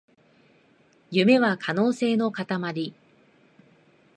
夢は可能性のかたまり